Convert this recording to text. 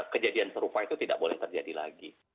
kejadian serupa itu tidak boleh terjadi lagi